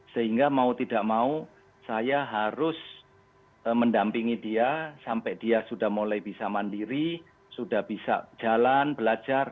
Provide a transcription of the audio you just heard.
sehingga mau tidak mau saya harus mendampingi dia sampai dia sudah mulai bisa mandiri sudah bisa jalan belajar